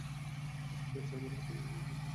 ঠিক আছে, আমার হাতে কিন্তু সময় কম।